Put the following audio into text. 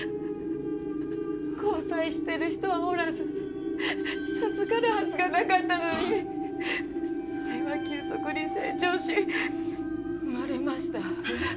交際している人はおらず授かるはずがなかったのにそれは急速に成長し生まれました。